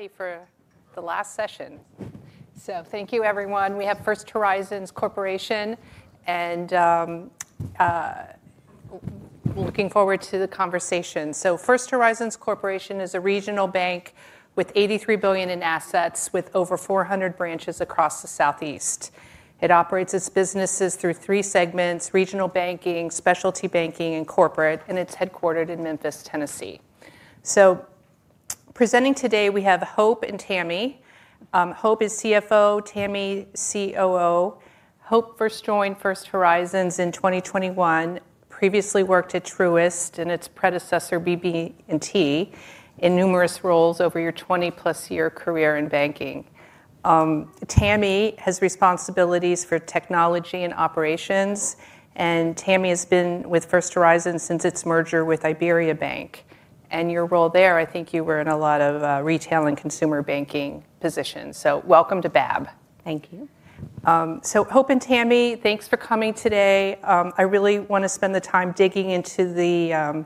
Ready for the last session. Thank you, everyone. We have First Horizon Corporation and, looking forward to the conversation. First Horizon Corporation is a regional bank with $83 billion in assets, with over 400 branches across the Southeast. It operates its businesses through three segments: regional banking, specialty banking, and corporate, and it's headquartered in Memphis, Tennessee. Presenting today, we have Hope and Tammy. Hope is CFO, Tammy COO. Hope first joined First Horizon in 2021, previously worked at Truist and its predecessor, BB&T, in numerous roles over your 20+ year career in banking. Tammy has responsibilities for technology and operations, and Tammy has been with First Horizon since its merger with IBERIABANK. In your role there, I think you were in a lot of retail and consumer banking positions. Welcome to BABB. Thank you. Hope and Tammy, thanks for coming today. I really want to spend the time digging into the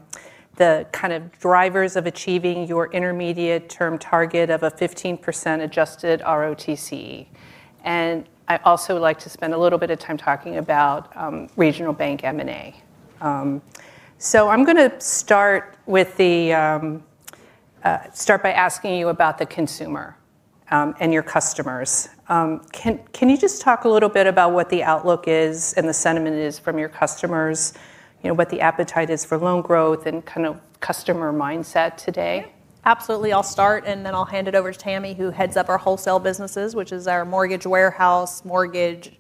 kind of drivers of achieving your intermediate-term target of a 15% adjusted ROTCE. I'd also like to spend a little bit of time talking about regional bank M&A. I'm going to start by asking you about the consumer and your customers. Can you just talk a little bit about what the outlook is and the sentiment is from your customers, you know, what the appetite is for loan growth and kind of customer mindset today? Absolutely. I'll start, and then I'll hand it over to Tammy, who heads up our wholesale businesses, which is our mortgage warehouse, mortgage,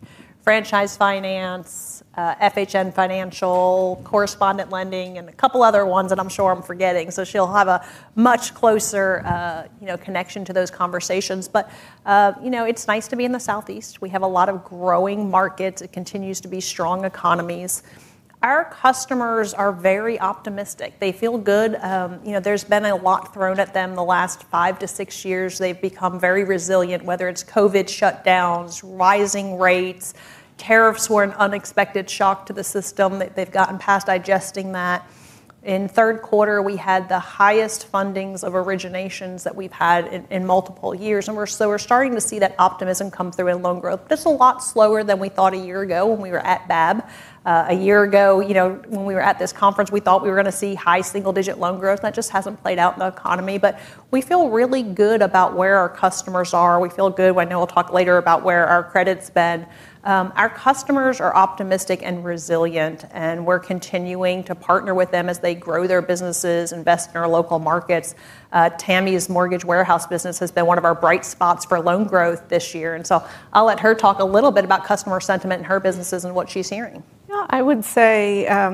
franchise finance, FHN Financial, correspondent lending, and a couple other ones that I'm sure I'm forgetting. So she'll have a much closer, you know, connection to those conversations. But, you know, it's nice to be in the Southeast. We have a lot of growing markets. It continues to be strong economies. Our customers are very optimistic. They feel good. You know, there's been a lot thrown at them the last five to six years. They've become very resilient, whether it's COVID shutdowns, rising rates, tariffs were an unexpected shock to the system that they've gotten past digesting that. In third quarter, we had the highest fundings of originations that we've had in, in multiple years. We're starting to see that optimism come through in loan growth. This is a lot slower than we thought a year ago when we were at BABB. A year ago, you know, when we were at this conference, we thought we were going to see high single-digit loan growth. That just hasn't played out in the economy. We feel really good about where our customers are. We feel good. I know we'll talk later about where our credit's been. Our customers are optimistic and resilient, and we're continuing to partner with them as they grow their businesses, invest in our local markets. Tammy's mortgage warehouse business has been one of our bright spots for loan growth this year. I'll let her talk a little bit about customer sentiment in her businesses and what she's hearing. Yeah, I would say, I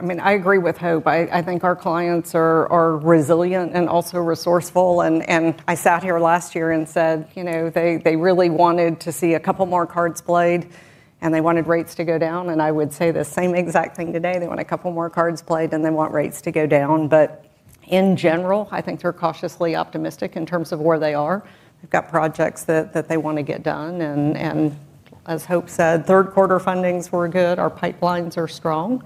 mean, I agree with Hope. I think our clients are resilient and also resourceful. I sat here last year and said, you know, they really wanted to see a couple more cards played, and they wanted rates to go down. I would say the same exact thing today. They want a couple more cards played, and they want rates to go down. In general, I think they're cautiously optimistic in terms of where they are. They've got projects that they want to get done. As Hope said, third quarter fundings were good. Our pipelines are strong.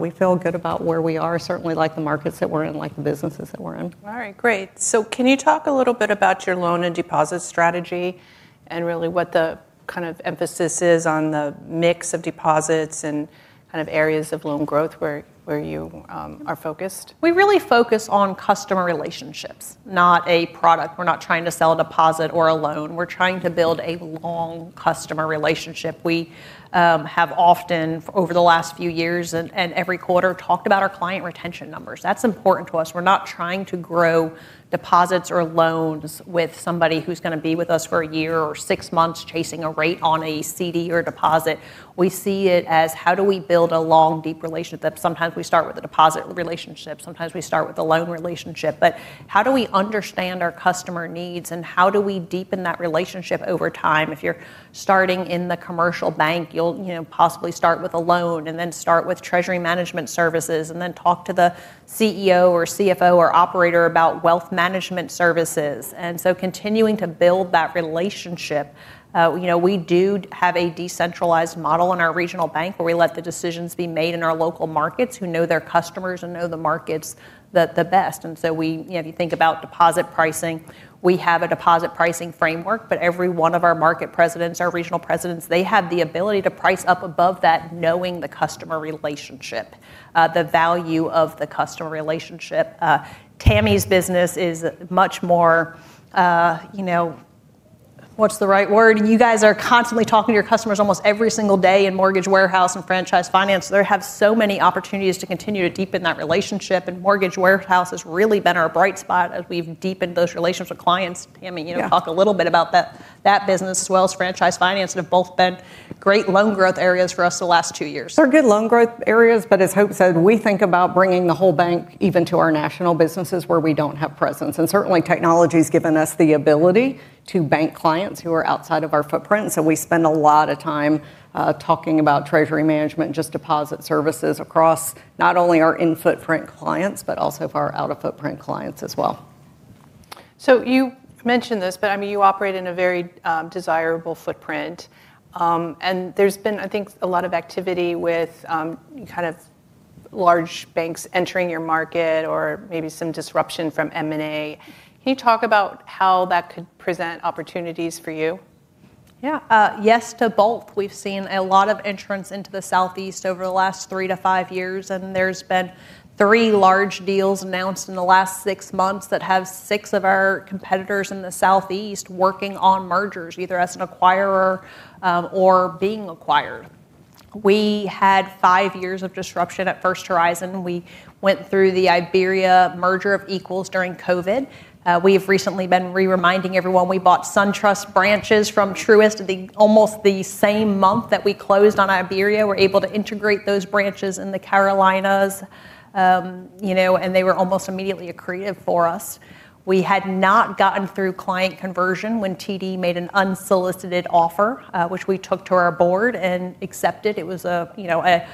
We feel good about where we are, certainly like the markets that we're in, like the businesses that we're in. All right, great. Can you talk a little bit about your loan and deposit strategy and really what the kind of emphasis is on the mix of deposits and kind of areas of loan growth where you are focused? We really focus on customer relationships, not a product. We're not trying to sell a deposit or a loan. We're trying to build a long customer relationship. We have often, over the last few years and every quarter, talked about our client retention numbers. That's important to us. We're not trying to grow deposits or loans with somebody who's going to be with us for a year or six months chasing a rate on a CD or deposit. We see it as how do we build a long, deep relationship? That sometimes we start with the deposit relationship. Sometimes we start with the loan relationship. How do we understand our customer needs and how do we deepen that relationship over time? If you're starting in the commercial bank, you'll, you know, possibly start with a loan and then start with treasury management services and then talk to the CEO or CFO or operator about wealth management services. Continuing to build that relationship, you know, we do have a decentralized model in our regional bank where we let the decisions be made in our local markets who know their customers and know the markets the best. If you think about deposit pricing, we have a deposit pricing framework, but every one of our market presidents, our regional presidents, they have the ability to price up above that, knowing the customer relationship, the value of the customer relationship. Tammy's business is much more, you know. What's the right word? You guys are constantly talking to your customers almost every single day in mortgage warehouse and franchise finance. There have been so many opportunities to continue to deepen that relationship. Mortgage warehouse has really been our bright spot as we've deepened those relations with clients. I mean, you know, talk a little bit about that, that business as well as franchise finance. They've both been great loan growth areas for us the last two years. They're good loan growth areas, but as Hope said, we think about bringing the whole bank even to our national businesses where we do not have presence. Certainly technology has given us the ability to bank clients who are outside of our footprint. We spend a lot of time talking about treasury management, just deposit services across not only our in-footprint clients, but also for our out-of-footprint clients as well. You mentioned this, but I mean, you operate in a very desirable footprint, and there's been, I think, a lot of activity with, kind of, large banks entering your market or maybe some disruption from M&A. Can you talk about how that could present opportunities for you? Yeah, yes to both. We've seen a lot of entrance into the Southeast over the last three to five years, and there's been three large deals announced in the last six months that have six of our competitors in the Southeast working on mergers, either as an acquirer or being acquired. We had five years of disruption at First Horizon. We went through the Iberia merger of equals during COVID. We've recently been re-reminding everyone we bought SunTrust branches from Truist almost the same month that we closed on Iberia. We were able to integrate those branches in the Carolinas, you know, and they were almost immediately accretive for us. We had not gotten through client conversion when TD made an unsolicited offer, which we took to our board and accepted. It was a, you know, a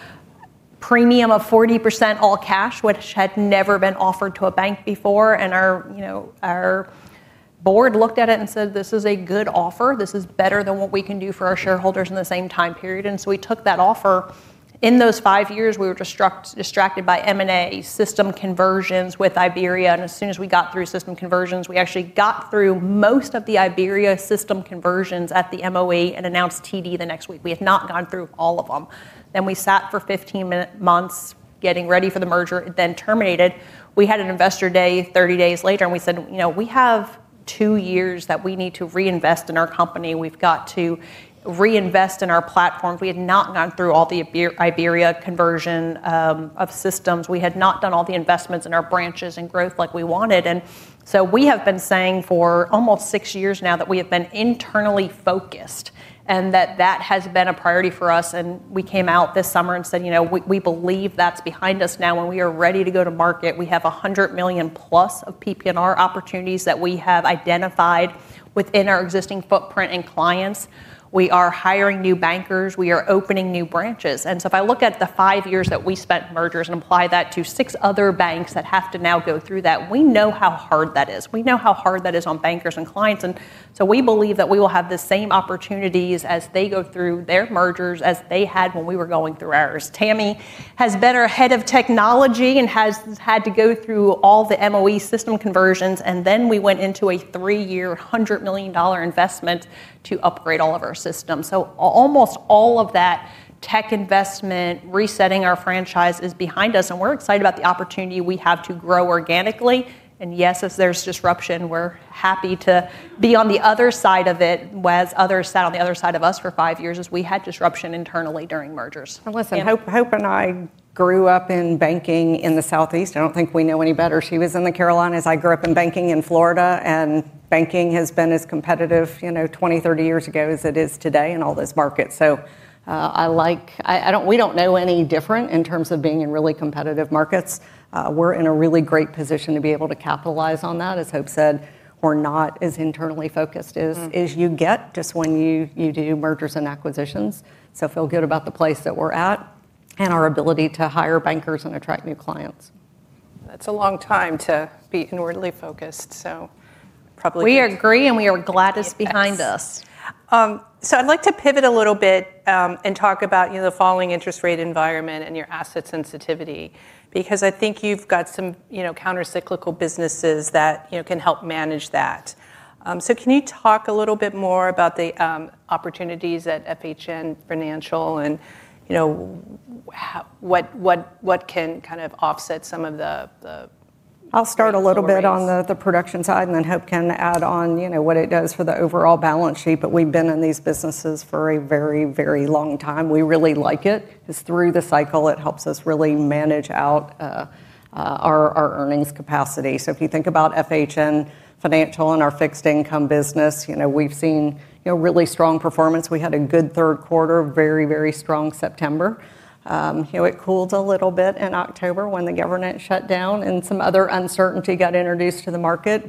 premium of 40% all cash, which had never been offered to a bank before. Our, you know, our board looked at it and said, this is a good offer. This is better than what we can do for our shareholders in the same time period. We took that offer. In those five years, we were distracted, distracted by M&A system conversions with Iberia. As soon as we got through system conversions, we actually got through most of the Iberia system conversions at the MOE and announced TD the next week. We had not gone through all of them. We sat for 15 months getting ready for the merger. It then terminated. We had an investor day 30 days later, and we said, you know, we have two years that we need to reinvest in our company. We've got to reinvest in our platforms. We had not gone through all the IBERIA conversion of systems. We had not done all the investments in our branches and growth like we wanted. We have been saying for almost six years now that we have been internally focused and that that has been a priority for us. We came out this summer and said, you know, we believe that's behind us now. When we are ready to go to market, we have $100 million+ of PP&R opportunities that we have identified within our existing footprint and clients. We are hiring new bankers. We are opening new branches. If I look at the five years that we spent mergers and apply that to six other banks that have to now go through that, we know how hard that is. We know how hard that is on bankers and clients. We believe that we will have the same opportunities as they go through their mergers as they had when we were going through ours. Tammy has been our Head of Technology and has had to go through all the MOE system conversions. We went into a three-year $100 million investment to upgrade all of our systems. Almost all of that tech investment, resetting our franchise, is behind us. We are excited about the opportunity we have to grow organically. Yes, as there is disruption, we are happy to be on the other side of it. Others sat on the other side of us for five years as we had disruption internally during mergers. Listen, Hope, Hope and I grew up in banking in the Southeast. I do not think we know any better. She was in the Carolinas. I grew up in banking in Florida, and banking has been as competitive, you know, 20, 30 years ago as it is today in all those markets. I like, I do not, we do not know any different in terms of being in really competitive markets. We are in a really great position to be able to capitalize on that, as Hope said, or not as internally focused as you get just when you do mergers and acquisitions. I feel good about the place that we are at and our ability to hire bankers and attract new clients. That is a long time to be inwardly focused. Probably. We agree, and we are glad it's behind us. I'd like to pivot a little bit, and talk about, you know, the falling interest rate environment and your asset sensitivity, because I think you've got some, you know, countercyclical businesses that, you know, can help manage that. Can you talk a little bit more about the opportunities at FHN Financial and, you know, what can kind of offset some of the, the. I'll start a little bit on the production side, and then Hope can add on, you know, what it does for the overall balance sheet. We've been in these businesses for a very, very long time. We really like it because through the cycle, it helps us really manage out our earnings capacity. If you think about FHN Financial and our fixed income business, you know, we've seen, you know, really strong performance. We had a good third quarter, very, very strong September. You know, it cooled a little bit in October when the government shut down and some other uncertainty got introduced to the market.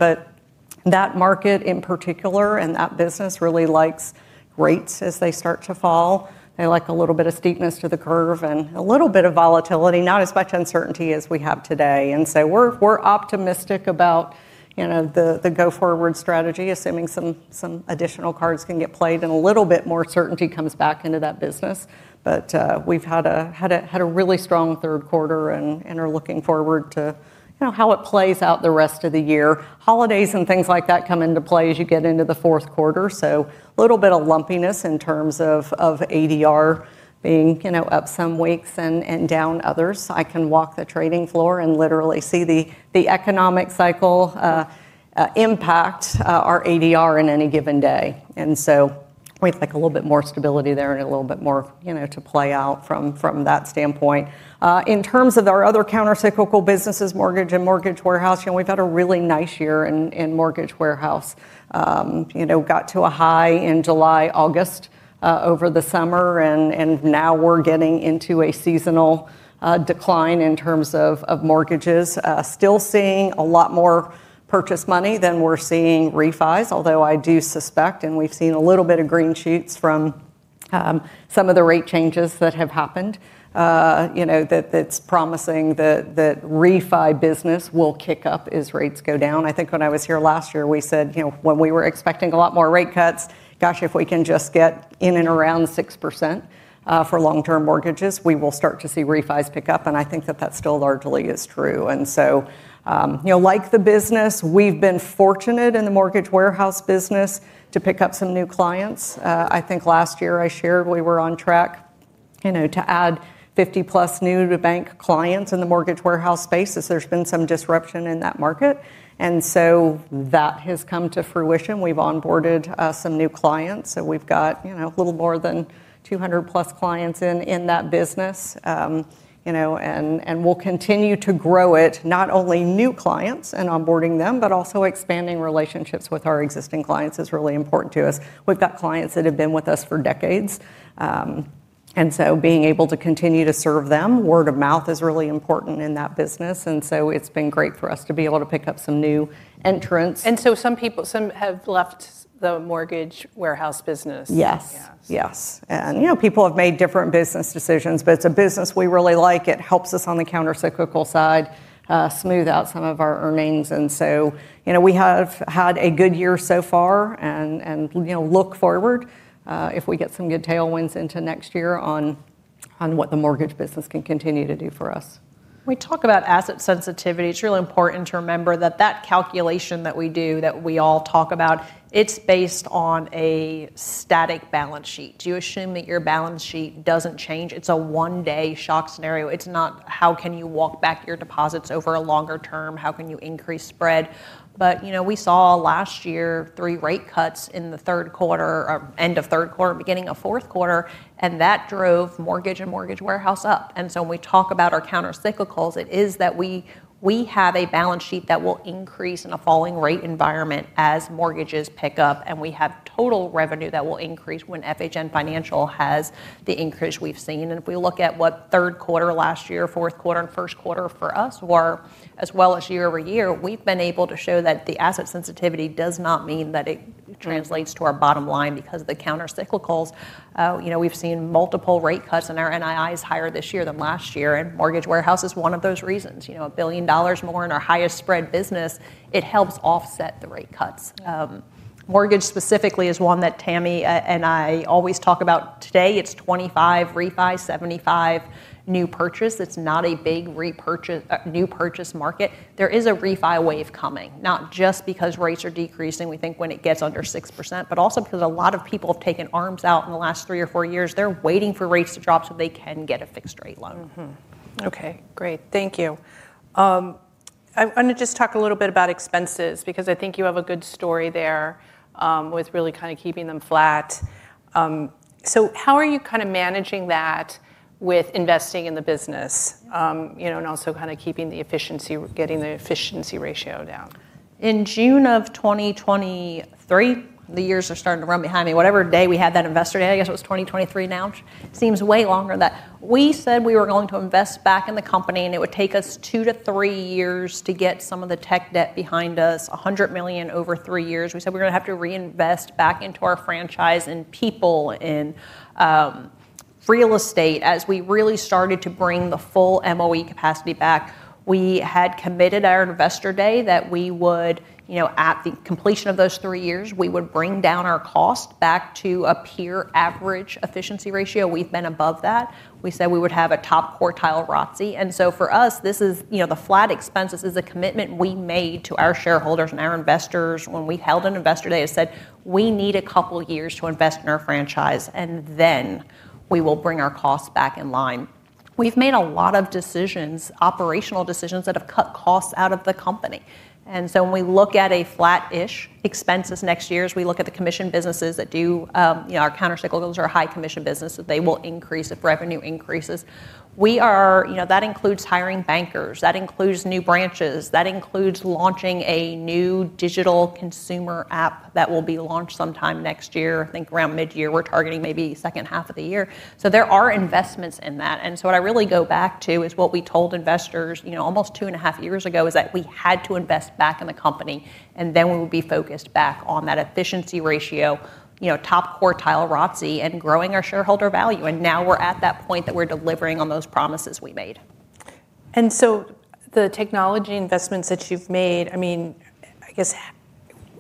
That market in particular and that business really likes rates as they start to fall. They like a little bit of steepness to the curve and a little bit of volatility, not as much uncertainty as we have today. We are optimistic about, you know, the go-forward strategy, assuming some additional cards can get played and a little bit more certainty comes back into that business. We have had a really strong third quarter and are looking forward to, you know, how it plays out the rest of the year. Holidays and things like that come into play as you get into the fourth quarter. A little bit of lumpiness in terms of ADR being, you know, up some weeks and down others. I can walk the trading floor and literally see the economic cycle impact our ADR in any given day. We would like a little bit more stability there and a little bit more, you know, to play out from that standpoint. In terms of our other countercyclical businesses, mortgage and mortgage warehouse, you know, we have had a really nice year in mortgage warehouse. You know, got to a high in July, August, over the summer, and now we are getting into a seasonal decline in terms of mortgages. Still seeing a lot more purchase money than we are seeing refis, although I do suspect, and we have seen a little bit of green shoots from. Some of the rate changes that have happened, you know, that's promising that refi business will kick up as rates go down. I think when I was here last year, we said, you know, when we were expecting a lot more rate cuts, gosh, if we can just get in and around 6% for long-term mortgages, we will start to see refis pick up. I think that still largely is true. You know, like the business, we've been fortunate in the mortgage warehouse business to pick up some new clients. I think last year I shared we were on track to add 50+ new-to-bank clients in the mortgage warehouse space. There's been some disruption in that market, and that has come to fruition. We've onboarded some new clients. We've got, you know, a little more than 200 clients in that business, you know, and we'll continue to grow it, not only new clients and onboarding them, but also expanding relationships with our existing clients is really important to us. We've got clients that have been with us for decades, and so being able to continue to serve them, word of mouth is really important in that business. It's been great for us to be able to pick up some new entrants. Some people have left the mortgage warehouse business. Yes. Yes. You know, people have made different business decisions, but it's a business we really like. It helps us on the countercyclical side, smooth out some of our earnings. You know, we have had a good year so far and, you know, look forward, if we get some good tailwinds into next year on what the mortgage business can continue to do for us. We talk about asset sensitivity. It's really important to remember that that calculation that we do, that we all talk about, it's based on a static balance sheet. Do you assume that your balance sheet doesn't change? It's a one-day shock scenario. It's not how can you walk back your deposits over a longer term, how can you increase spread. You know, we saw last year three rate cuts in the third quarter, or end of third quarter, beginning of fourth quarter, and that drove mortgage and mortgage warehouse up. When we talk about our countercyclicals, it is that we, we have a balance sheet that will increase in a falling rate environment as mortgages pick up, and we have total revenue that will increase when FHN Financial has the increase we've seen. If we look at what third quarter last year, fourth quarter, and first quarter for us were, as well as year over year, we've been able to show that the asset sensitivity does not mean that it translates to our bottom line because of the countercyclicals. You know, we've seen multiple rate cuts and our NII is higher this year than last year. And mortgage warehouse is one of those reasons, you know, $1 billion more in our highest spread business. It helps offset the rate cuts. Mortgage specifically is one that Tammy and I always talk about today. It's 25% refi, 75% new purchase. It's not a big repurchase, new purchase market. There is a refi wave coming, not just because rates are decreasing, we think when it gets under 6%, but also because a lot of people have taken ARMs out in the last three or four years. They're waiting for rates to drop so they can get a fixed rate loan. Okay, great. Thank you. I'm going to just talk a little bit about expenses because I think you have a good story there, with really kind of keeping them flat. How are you kind of managing that with investing in the business, you know, and also kind of keeping the efficiency, getting the efficiency ratio down? In June of 2023, the years are starting to run behind me. Whatever day we had that investor day, I guess it was 2023 now. Seems way longer than that. We said we were going to invest back in the company and it would take us two to three years to get some of the tech debt behind us, $100 million over three years. We said we're going to have to reinvest back into our franchise and people in, real estate as we really started to bring the full MOE capacity back. We had committed our investor day that we would, you know, at the completion of those three years, we would bring down our cost back to a peer average efficiency ratio. We've been above that. We said we would have a top quartile ROTCE. And so for us, this is, you know, the flat expense. This is a commitment we made to our shareholders and our investors. When we held an investor day, I said, we need a couple of years to invest in our franchise, and then we will bring our costs back in line. We've made a lot of decisions, operational decisions that have cut costs out of the company. And so when we look at a flat-ish expenses next year as we look at the commission businesses that do, you know, our countercyclicals are high commission business that they will increase if revenue increases. We are, you know, that includes hiring bankers, that includes new branches, that includes launching a new digital consumer app that will be launched sometime next year. I think around mid-year, we're targeting maybe second half of the year. There are investments in that. What I really go back to is what we told investors, you know, almost two and a half years ago is that we had to invest back in the company and then we will be focused back on that efficiency ratio, you know, top quartile ROTCE and growing our shareholder value. Now we're at that point that we're delivering on those promises we made. The technology investments that you've made, I mean, I guess.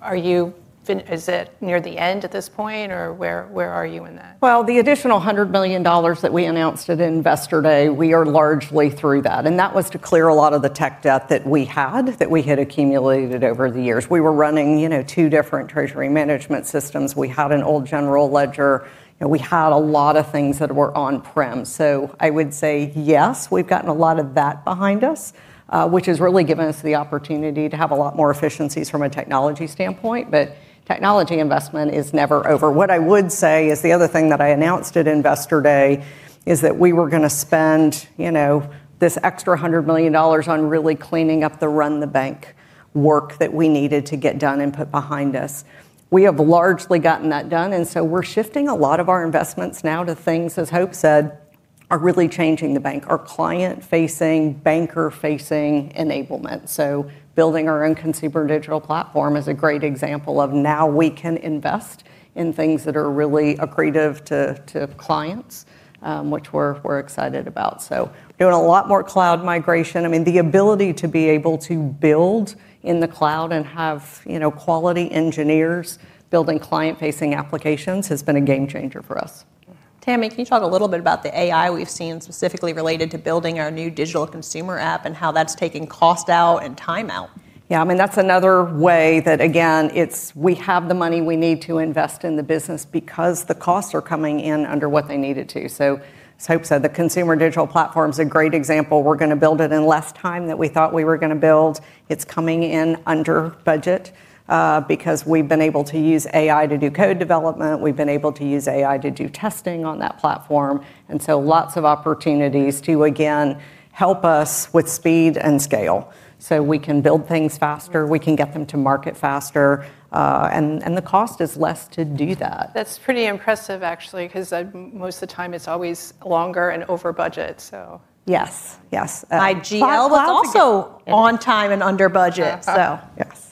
Are you, is it near the end at this point or where are you in that? The additional $100 million that we announced at investor day, we are largely through that. That was to clear a lot of the tech debt that we had, that we had accumulated over the years. We were running, you know, two different treasury management systems. We had an old general ledger and we had a lot of things that were on prem. I would say yes, we've gotten a lot of that behind us, which has really given us the opportunity to have a lot more efficiencies from a technology standpoint. Technology investment is never over. What I would say is the other thing that I announced at investor day is that we were going to spend, you know, this extra $100 million on really cleaning up the run the bank work that we needed to get done and put behind us. We have largely gotten that done. We are shifting a lot of our investments now to things, as Hope said, are really changing the bank, our client-facing, banker-facing enablement. Building our own consumer digital platform is a great example of now we can invest in things that are really accretive to clients, which we are excited about. Doing a lot more cloud migration. I mean, the ability to be able to build in the cloud and have, you know, quality engineers building client-facing applications has been a game changer for us. Tammy, can you talk a little bit about the AI we've seen specifically related to building our new Digital Consumer App and how that's taking cost out and time out? Yeah, I mean, that's another way that, again, it's, we have the money we need to invest in the business because the costs are coming in under what they needed to. As Hope said, the consumer digital platform's a great example. We're going to build it in less time than we thought we were going to build. It's coming in under budget, because we've been able to use AI to do code development. We've been able to use AI to do testing on that platform. Lots of opportunities to, again, help us with speed and scale. We can build things faster. We can get them to market faster, and the cost is less to do that. That's pretty impressive, actually, because most of the time it's always longer and over budget. Yes. Yes. My GL was also on time and under budget. Yes.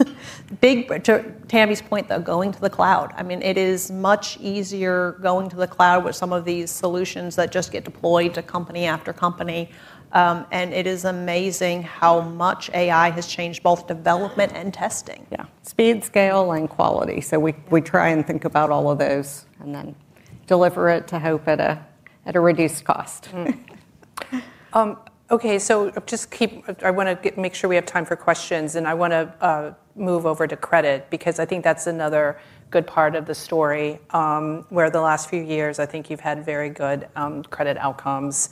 Big to Tammy's point though, going to the cloud. I mean, it is much easier going to the cloud with some of these solutions that just get deployed to company after company. I mean, it is amazing how much AI has changed both development and testing. Yeah. Speed, scale, and quality. We try and think about all of those and then deliver it to Hope at a reduced cost. Okay. Just keep, I want to make sure we have time for questions and I want to move over to credit because I think that's another good part of the story, where the last few years, I think you've had very good credit outcomes.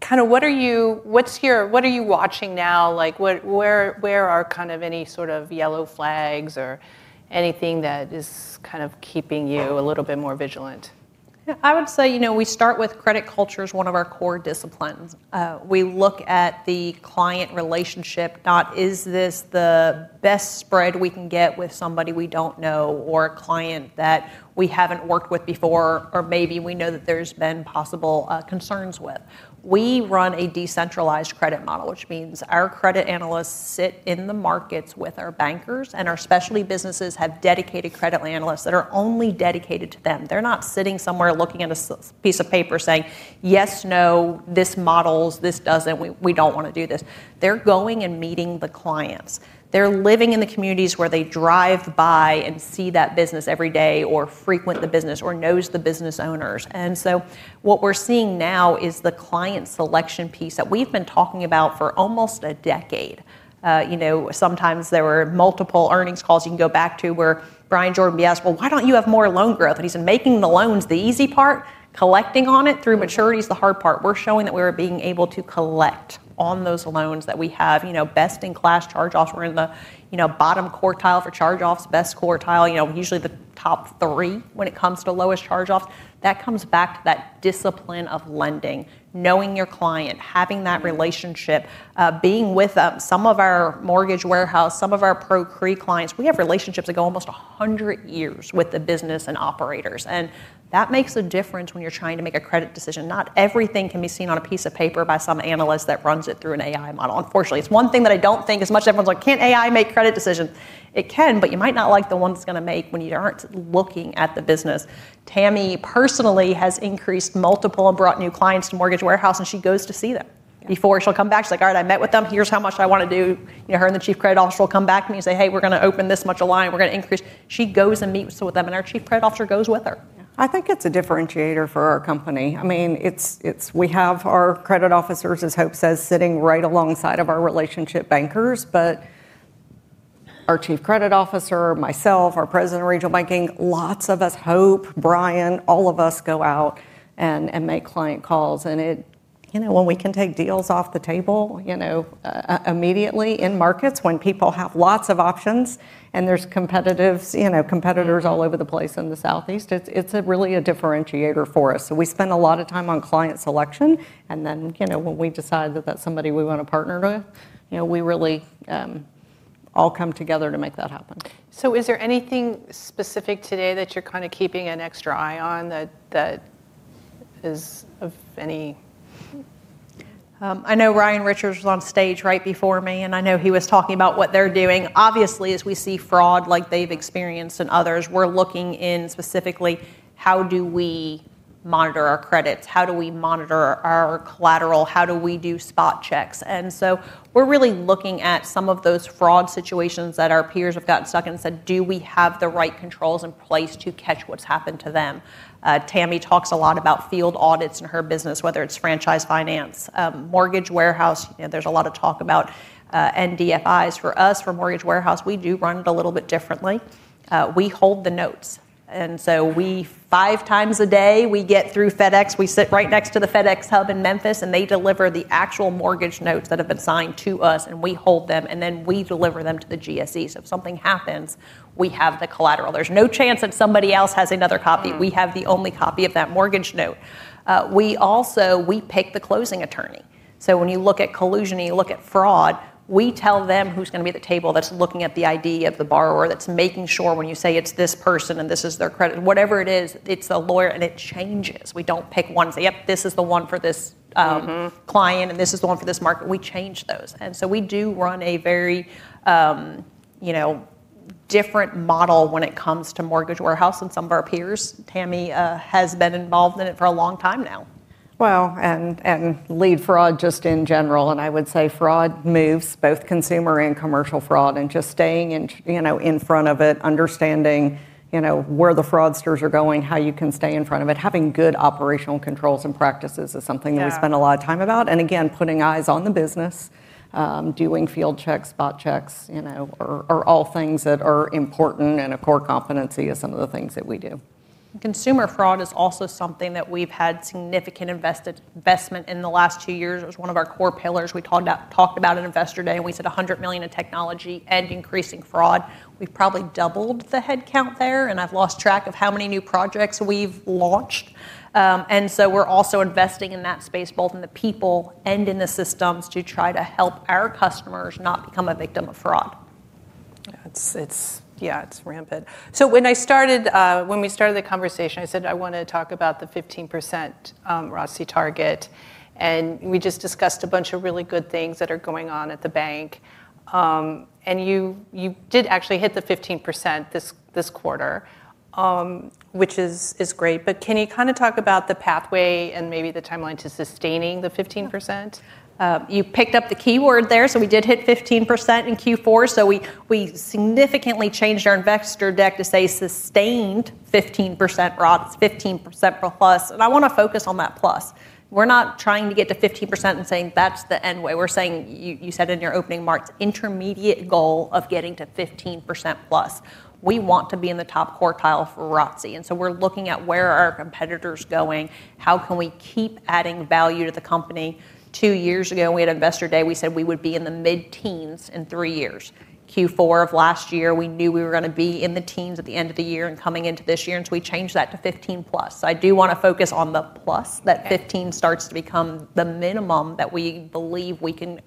Kind of what are you, what's your, what are you watching now? Like, where are kind of any sort of yellow flags or anything that is kind of keeping you a little bit more vigilant? I would say, you know, we start with credit culture as one of our core disciplines. We look at the client relationship. Not is this the best spread we can get with somebody we do not know or a client that we have not worked with before, or maybe we know that there have been possible concerns with. We run a decentralized credit model, which means our credit analysts sit in the markets with our bankers and our specialty businesses have dedicated credit analysts that are only dedicated to them. They are not sitting somewhere looking at a piece of paper saying, yes, no, this models, this does not, we do not want to do this. They are going and meeting the clients. They are living in the communities where they drive by and see that business every day or frequent the business or know the business owners. What we're seeing now is the client selection piece that we've been talking about for almost a decade. You know, sometimes there were multiple earnings calls you can go back to where Bryan Jordan asked, well, why don't you have more loan growth? And he's in making the loans, the easy part, collecting on it through maturity is the hard part. We're showing that we were being able to collect on those loans that we have, you know, best in class charge off. We're in the bottom quartile for charge offs, best quartile, you know, usually the top three when it comes to lowest charge offs. That comes back to that discipline of lending, knowing your client, having that relationship, being with some of our mortgage warehouse, some of our pro-cre clients. We have relationships that go almost a hundred years with the business and operators. That makes a difference when you're trying to make a credit decision. Not everything can be seen on a piece of paper by some analyst that runs it through an AI model. Unfortunately, it's one thing that I don't think as much as everyone's like, can't AI make credit decisions? It can, but you might not like the ones it's going to make when you aren't looking at the business. Tammy personally has increased multiple and brought new clients to mortgage warehouse and she goes to see them. Before she'll come back, she's like, all right, I met with them. Here's how much I want to do. You know, her and the Chief Credit Officer will come back to me and say, hey, we're going to open this much of line. We're going to increase. She goes and meets with them and our Chief Credit Officer goes with her. I think it's a differentiator for our company. I mean, we have our credit officers, as Hope says, sitting right alongside our relationship bankers. Our Chief Credit Officer, myself, our President of Regional Banking, lots of us, Hope, Brian, all of us go out and make client calls. You know, when we can take deals off the table immediately in markets when people have lots of options and there are competitors all over the place in the Southeast, it's really a differentiator for us. We spend a lot of time on client selection. And then, you know, when we decide that that's somebody we want to partner with, we really all come together to make that happen. Is there anything specific today that you're kind of keeping an extra eye on that is of any? I know Ryan Richards was on stage right before me and I know he was talking about what they're doing. Obviously, as we see fraud like they've experienced and others, we're looking in specifically, how do we monitor our credits? How do we monitor our collateral? How do we do spot checks? We're really looking at some of those fraud situations that our peers have gotten stuck in and said, do we have the right controls in place to catch what's happened to them? Tammy talks a lot about field audits in her business, whether it's franchise finance, mortgage warehouse. You know, there's a lot of talk about NDFIs for us, for mortgage warehouse. We do run it a little bit differently. We hold the notes. We, five times a day, get through FedEx. We sit right next to the FedEx hub in Memphis and they deliver the actual mortgage notes that have been signed to us and we hold them and then we deliver them to the GSEs. If something happens, we have the collateral. There is no chance if somebody else has another copy. We have the only copy of that mortgage note. We also pick the closing attorney. When you look at collusion, you look at fraud, we tell them who is going to be at the table that is looking at the ID of the borrower, that is making sure when you say it is this person and this is their credit, whatever it is, it is a lawyer and it changes. We don't pick one and say, yep, this is the one for this client and this is the one for this market. We change those. And so we do run a very, you know, different model when it comes to mortgage warehouse and some of our peers. Tammy has been involved in it for a long time now. Fraud, just in general. I would say fraud moves, both consumer and commercial fraud, and just staying in, you know, in front of it, understanding, you know, where the fraudsters are going, how you can stay in front of it. Having good operational controls and practices is something that we spend a lot of time about. Again, putting eyes on the business, doing field checks, spot checks, you know, are all things that are important and a core competency of some of the things that we do. Consumer fraud is also something that we've had significant investment in the last two years. It was one of our core pillars. We talked about, talked about at investor day. We said $100 million in technology and increasing fraud. We've probably doubled the headcount there and I've lost track of how many new projects we've launched. We are also investing in that space, both in the people and in the systems to try to help our customers not become a victim of fraud. Yeah, it's, yeah, it's rampant. When I started, when we started the conversation, I said, I want to talk about the 15% ROTCE target. And we just discussed a bunch of really good things that are going on at the bank, and you did actually hit the 15% this quarter, which is great. Can you kind of talk about the pathway and maybe the timeline to sustaining the 15%? You picked up the keyword there. We did hit 15% in Q4. We significantly changed our investor deck to say sustained 15% ROTCE, 15% or plus. I want to focus on that plus. We're not trying to get to 15% and saying that's the end way. We're saying, you said in your opening remarks, intermediate goal of getting to 15%+ We want to be in the top quartile for ROTCE. We are looking at where our competitors are going. How can we keep adding value to the company? Two years ago, we had investor day. We said we would be in the mid-teens in three years. Q4 of last year, we knew we were going to be in the teens at the end of the year and coming into this year. We changed that to 15%+. I do want to focus on the plus. That 15% starts to become the minimum that we believe we can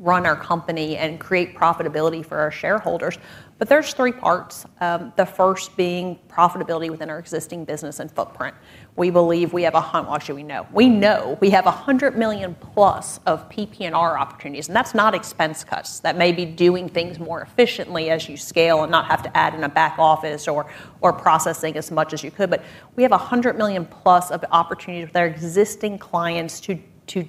run our company and create profitability for our shareholders. There are three parts. The first being profitability within our existing business and footprint. We believe we have a hot washer. We know we have $100 million+ of PP&R opportunities. That is not expense cuts that may be doing things more efficiently as you scale and not have to add in a back office or processing as much as you could. We have $100 million+ of opportunity with our existing clients to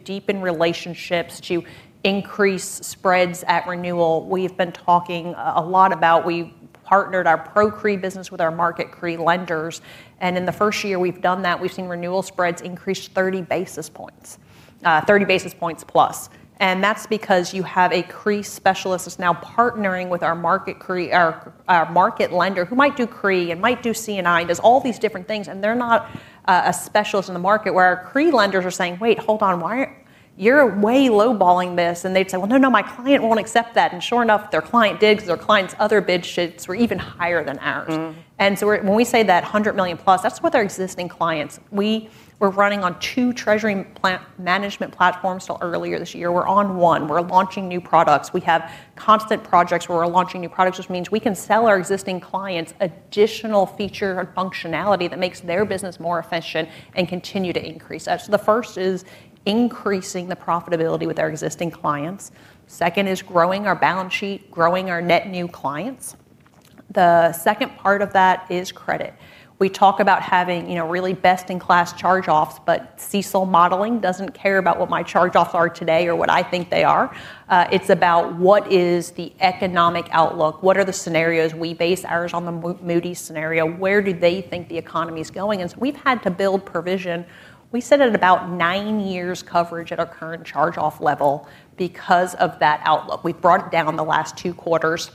deepen relationships, to increase spreads at renewal. We have been talking a lot about, we partnered our pro-cre business with our market cre lenders. In the first year we have done that, we have seen renewal spreads increase 30 basis points, 30 basis points plus. That is because you have a CRE specialist that is now partnering with our market CRE, our market lender who might do CRE and might do CNI and does all these different things. They are not a specialist in the market where our CRE lenders are saying, wait, hold on, why are you way low balling this? They'd say, no, no, my client won't accept that. Sure enough, their client digs, their client's other bid sheets were even higher than ours. When we say that $100 million+, that's with our existing clients. We were running on two treasury management platforms until earlier this year. We're on one. We're launching new products. We have constant projects where we're launching new products, which means we can sell our existing clients additional feature and functionality that makes their business more efficient and continue to increase that. The first is increasing the profitability with our existing clients. Second is growing our balance sheet, growing our net new clients. The second part of that is credit. We talk about having, you know, really best in class charge offs, but CECL modeling doesn't care about what my charge offs are today or what I think they are. It's about what is the economic outlook? What are the scenarios? We base ours on the Moody's scenario. Where do they think the economy is going? We have had to build provision. We set it at about nine years coverage at our current charge off level because of that outlook. We have brought it down the last two quarters.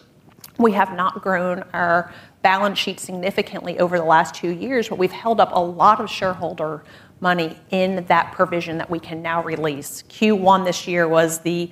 We have not grown our balance sheet significantly over the last two years, but we have held up a lot of shareholder money in that provision that we can now release. Q1 this year was the,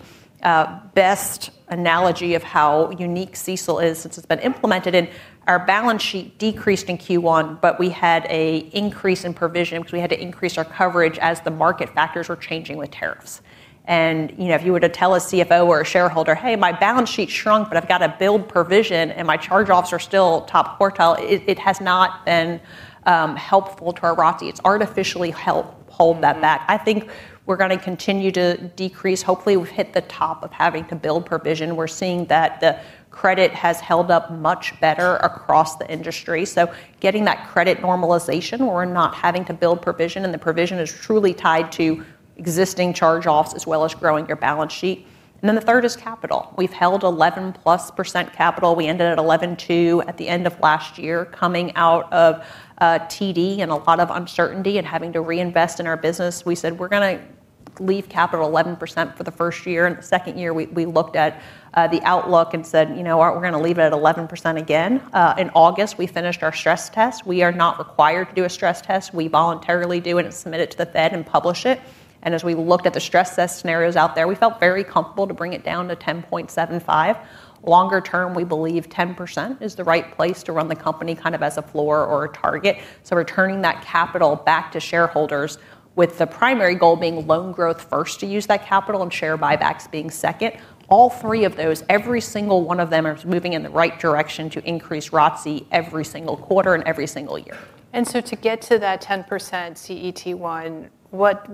best analogy of how unique CECL is since it's been implemented in. Our balance sheet decreased in Q1, but we had an increase in provision because we had to increase our coverage as the market factors were changing with tariffs. And, you know, if you were to tell a CFO or a shareholder, hey, my balance sheet shrunk, but I've got to build provision and my charge offs are still top quartile, it has not been, helpful to our ROTCE. It's artificially helped hold that back. I think we're going to continue to decrease. Hopefully we've hit the top of having to build provision. We're seeing that the credit has held up much better across the industry. So getting that credit normalization, we're not having to build provision and the provision is truly tied to existing charge offs as well as growing your balance sheet. The third is capital. We've held 11+% capital. We ended at 11.2% at the end of last year, coming out of TD and a lot of uncertainty and having to reinvest in our business. We said we're going to leave capital at 11% for the first year. In the second year, we looked at the outlook and said, you know, aren't we going to leave it at 11% again? In August, we finished our stress test. We are not required to do a stress test. We voluntarily do it and submit it to the Fed and publish it. As we looked at the stress test scenarios out there, we felt very comfortable to bring it down to 10.75%. Longer term, we believe 10% is the right place to run the company, kind of as a floor or a target. Returning that capital back to shareholders with the primary goal being loan growth first to use that capital and share buybacks being second. All three of those, every single one of them is moving in the right direction to increase ROTCE every single quarter and every single year. To get to that 10% CET1, what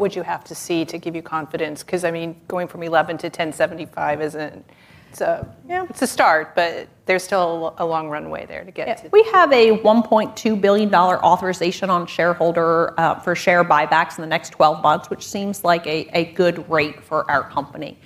would you have to see to give you confidence? Because I mean, going from 11% to 10.75% is a start, but there is still a long runway there to get to. We have a $1.2 billion authorization on shareholder, for share buybacks in the next 12 months, which seems like a, a good rate for our company.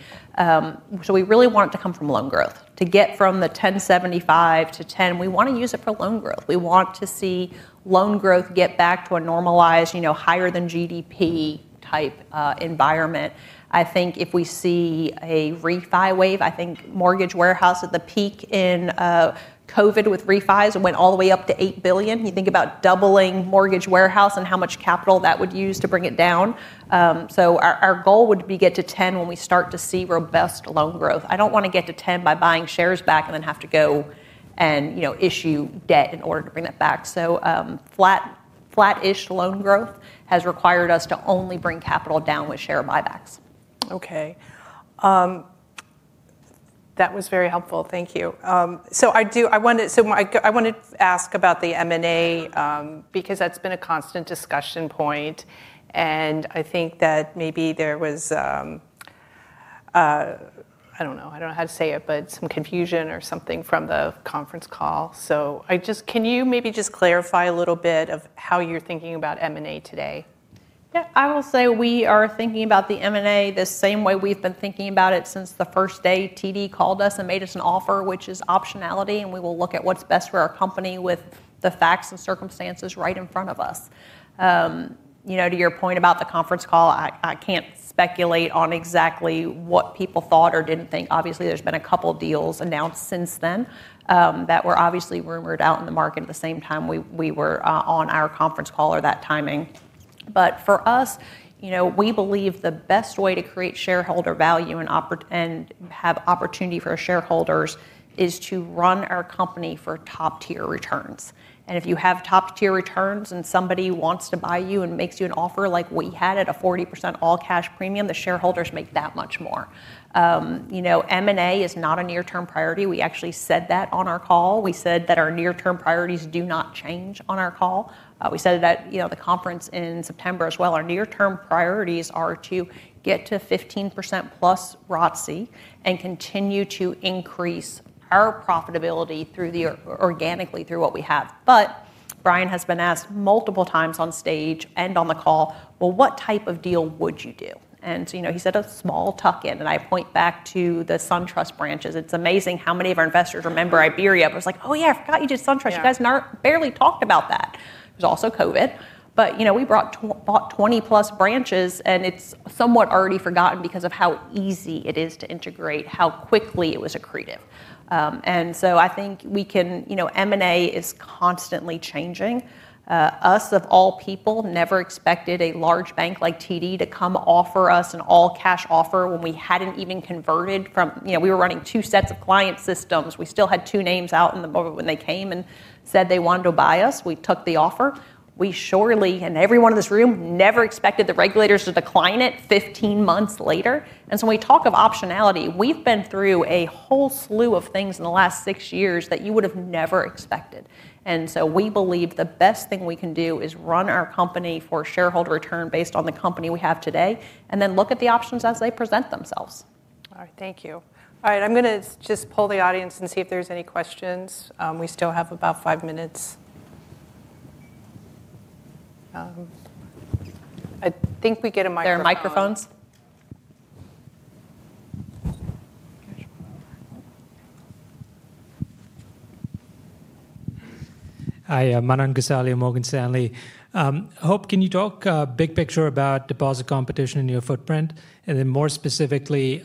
We really want it to come from loan growth to get from the 10.75% to 10%. We want to use it for loan growth. We want to see loan growth get back to a normalized, you know, higher than GDP type, environment. I think if we see a refi wave, I think mortgage warehouse at the peak in, COVID with refis went all the way up to $8 billion. You think about doubling mortgage warehouse and how much capital that would use to bring it down. Our goal would be to get to 10% when we start to see robust loan growth. I don't want to get to 10% by buying shares back and then have to go and, you know, issue debt in order to bring that back. So, flat, flat-ish loan growth has required us to only bring capital down with share buybacks. Okay. That was very helpful. Thank you. I wanted to ask about the M&A, because that's been a constant discussion point. I think that maybe there was, I don't know how to say it, but some confusion or something from the conference call. I just, can you maybe just clarify a little bit of how you're thinking about M&A today? Yeah, I will say we are thinking about the M&A the same way we've been thinking about it since the first day TD called us and made us an offer, which is optionality. We will look at what's best for our company with the facts and circumstances right in front of us. You know, to your point about the conference call, I can't speculate on exactly what people thought or didn't think. Obviously, there's been a couple of deals announced since then that were obviously rumored out in the market at the same time we were on our conference call or that timing. For us, you know, we believe the best way to create shareholder value and opportunity and have opportunity for our shareholders is to run our company for top tier returns. If you have top tier returns and somebody wants to buy you and makes you an offer like we had at a 40% all cash premium, the shareholders make that much more. You know, M&A is not a near-term priority. We actually said that on our call. We said that our near-term priorities do not change on our call. You know, the conference in September as well, our near-term priorities are to get to 15%+ ROTCE and continue to increase our profitability organically through what we have. Brian has been asked multiple times on stage and on the call, well, what type of deal would you do? You know, he said a small tuck in, and I point back to the SunTrust branches. It's amazing how many of our investors remember Iberia, but it's like, oh yeah, I forgot you did SunTrust. You guys aren't barely talked about that. It was also COVID, but you know, we brought, bought 20+ branches and it's somewhat already forgotten because of how easy it is to integrate, how quickly it was accretive. I think we can, you know, M&A is constantly changing. Us of all people never expected a large bank like TD to come offer us an all-cash offer when we hadn't even converted from, you know, we were running two sets of client systems. We still had two names out in the moment when they came and said they wanted to buy us. We took the offer. We surely, and everyone in this room never expected the regulators to decline it 15 months later. When we talk of optionality, we've been through a whole slew of things in the last six years that you would have never expected. We believe the best thing we can do is run our company for shareholder return based on the company we have today and then look at the options as they present themselves. All right. Thank you. All right. I'm going to just poll the audience and see if there's any questions. We still have about five minutes. I think we get a microphone. Hi, my name is [Gus Ali], Morgan Stanley. Hope, can you talk, big picture about deposit competition in your footprint and then more specifically,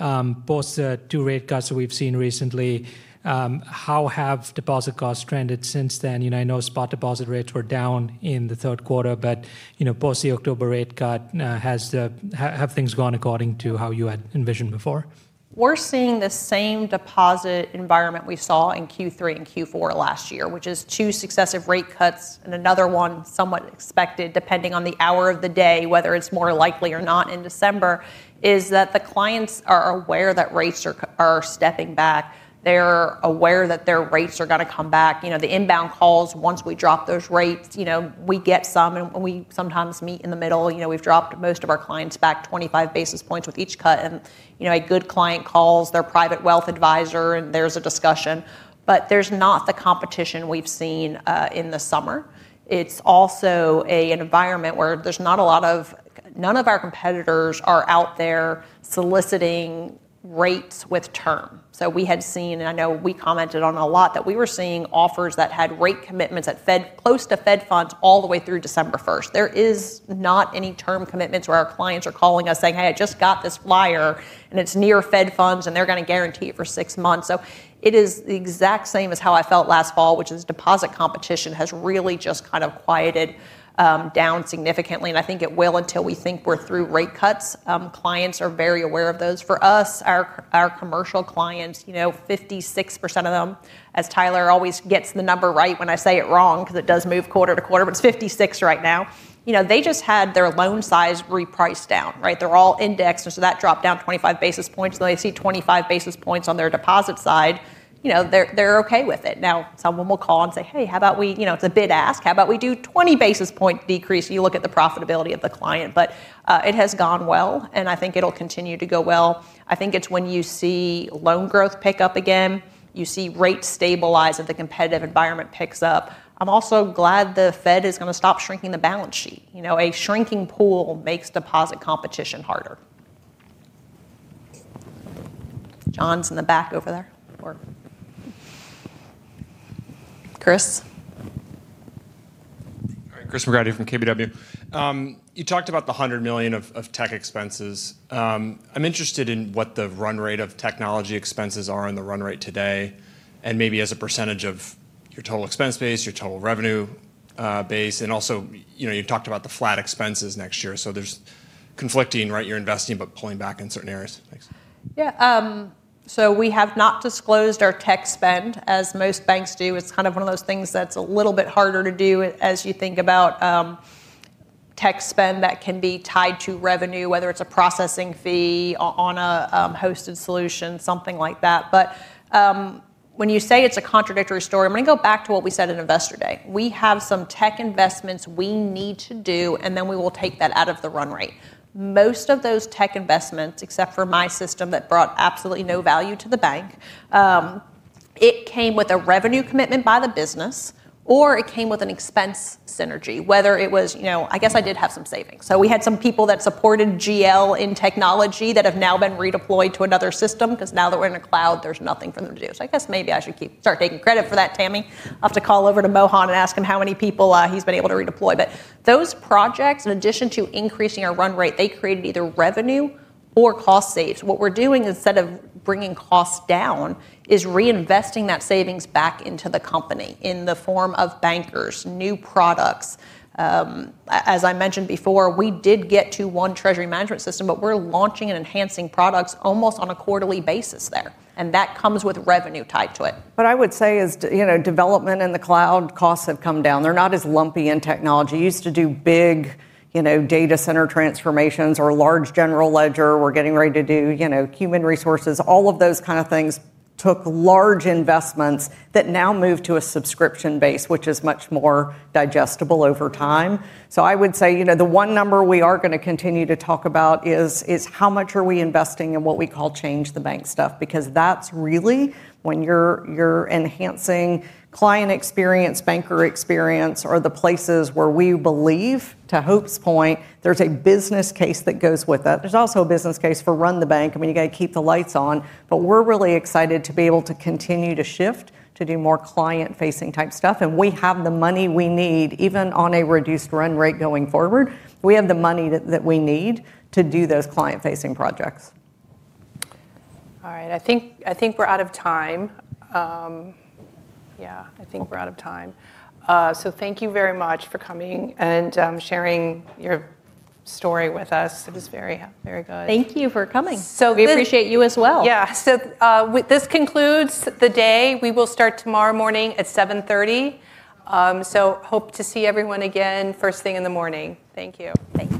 post the two rate cuts that we've seen recently, how have deposit costs trended since then? You know, I know spot deposit rates were down in the third quarter, but, you know, post the October rate cut, has, have things gone according to how you had envisioned before? We're seeing the same deposit environment we saw in Q3 and Q4 last year, which is two successive rate cuts and another one somewhat expected depending on the hour of the day, whether it's more likely or not in December. Is that the clients are aware that rates are stepping back. They're aware that their rates are going to come back. You know, the inbound calls, once we drop those rates, you know, we get some and we sometimes meet in the middle. You know, we've dropped most of our clients back 25 basis points with each cut. And, you know, a good client calls their private wealth advisor and there's a discussion, but there's not the competition we've seen in the summer. It's also an environment where there's not a lot of, none of our competitors are out there soliciting rates with term. We had seen, and I know we commented on a lot that we were seeing offers that had rate commitments at Fed, close to Fed funds all the way through December 1. There is not any term commitments where our clients are calling us saying, "Hey, I just got this flyer and it's near Fed funds and they're going to guarantee it for six months." It is the exact same as how I felt last fall, which is deposit competition has really just kind of quieted down significantly. I think it will until we think we're through rate cuts. Clients are very aware of those. For us, our commercial clients, you know, 56% of them, as Tyler always gets the number right when I say it wrong because it does move quarter to quarter, but it's 56 right now. You know, they just had their loan size repriced down, right? They're all indexed. And so that dropped down 25 basis points. So they see 25 basis points on their deposit side. You know, they're okay with it. Now, someone will call and say, "Hey, how about we, you know, it's a bid ask. How about we do 20 basis point decrease?" You look at the profitability of the client, but it has gone well and I think it'll continue to go well. I think it's when you see loan growth pick up again, you see rates stabilize if the competitive environment picks up. I'm also glad the Fed is going to stop shrinking the balance sheet. You know, a shrinking pool makes deposit competition harder. John's in the back over there or Chris. All right, Chris McGratty from KBW. You talked about the $100 million of tech expenses. I'm interested in what the run rate of technology expenses are in the run rate today and maybe as a percentage of your total expense base, your total revenue base. And also, you know, you talked about the flat expenses next year. So there's conflicting, right? You're investing, but pulling back in certain areas. Thanks. Yeah. So we have not disclosed our tech spend as most banks do. It's kind of one of those things that's a little bit harder to do as you think about tech spend that can be tied to revenue, whether it's a processing fee on a hosted solution, something like that. When you say it's a contradictory story, I'm going to go back to what we said at investor day. We have some tech investments we need to do, and then we will take that out of the run rate. Most of those tech investments, except for my system that brought absolutely no value to the bank, it came with a revenue commitment by the business. Or it came with an expense synergy, whether it was, you know, I guess I did have some savings. We had some people that supported GL in technology that have now been redeployed to another system because now that we're in a cloud, there's nothing for them to do. I guess maybe I should start taking credit for that, Tammy. I'll have to call over to Mohan and ask him how many people he's been able to redeploy. Those projects, in addition to increasing our run rate, created either revenue or cost saves. What we're doing instead of bringing costs down is reinvesting that savings back into the company in the form of bankers, new products. As I mentioned before, we did get to one treasury management system, but we're launching and enhancing products almost on a quarterly basis there. That comes with revenue tied to it. I would say, you know, development in the cloud costs have come down. They're not as lumpy in technology. Used to do big, you know, data center transformations or large general ledger. We're getting ready to do, you know, human resources. All of those kinds of things took large investments that now move to a subscription base, which is much more digestible over time. I would say, you know, the one number we are going to continue to talk about is, is how much are we investing in what we call change the bank stuff? Because that's really when you're, you're enhancing client experience, banker experience, or the places where we believe to Hope's point, there's a business case that goes with it. There's also a business case for run the bank. I mean, you got to keep the lights on, but we're really excited to be able to continue to shift, to do more client-facing type stuff. We have the money we need, even on a reduced run rate going forward. We have the money that we need to do those client-facing projects. All right. I think we're out of time. Yeah, I think we're out of time. Thank you very much for coming and sharing your story with us. It was very, very good. Thank you for coming. We appreciate you as well. Yeah. This concludes the day. We will start tomorrow morning at 7:30. So hope to see everyone again first thing in the morning. Thank you. Thanks.